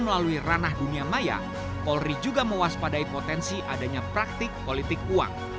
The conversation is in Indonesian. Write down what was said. melalui ranah dunia maya polri juga mewaspadai potensi adanya praktik politik uang